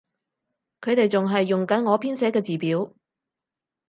佢哋仲係用緊我編寫嘅字表